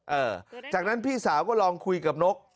เออจากนั้นพี่สาวก็ลองคุยกับนก